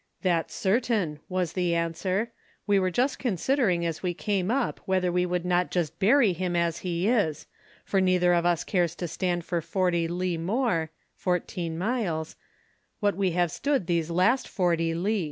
"That's certain," was the answer. "We were just considering as we came up whether we would not just bury him as he is, for neither of us cares to stand for forty li more (14 miles) what we have stood those last forty li."